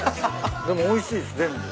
でもおいしいっす全部。